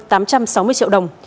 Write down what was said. năm trăm sáu mươi triệu đồng